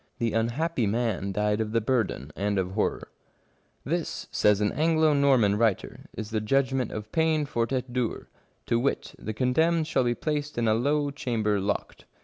The unhappy man died of the burden and of horror. " This," says an Anglo Norman writer, " is the judg ment of ' pain fort et dure '; to wit, the condemned shall be placed in a low chamber locked.